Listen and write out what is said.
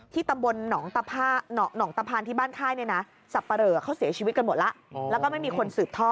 ที่ตำบลหนองตะพาน